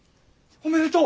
おめでとう！